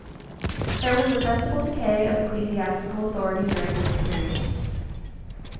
There was a sensible decay of ecclesiastical authority during this period.